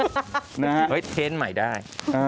เท้นเมื่อในได้